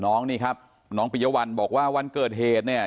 น้องนี่ครับน้องปิยวัลบอกว่าวันเกิดเหตุเนี่ย